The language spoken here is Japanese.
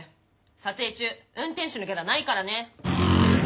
撮影中運転手のギャラないからね。